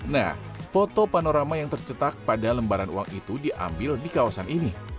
nah foto panorama yang tercetak pada lembaran uang itu diambil di kawasan ini